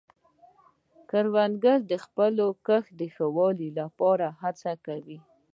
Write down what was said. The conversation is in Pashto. کروندګر د خپل کښت د ښه والي لپاره هڅې کوي